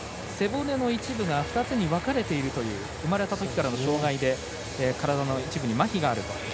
背骨の一部が２つに分かれているという生まれながらの障がいで体の一部にまひがあると。